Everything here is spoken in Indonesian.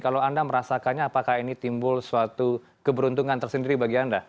kalau anda merasakannya apakah ini timbul suatu keberuntungan tersendiri bagi anda